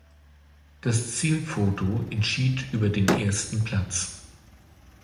Das Zielfoto entschied über den ersten Platz.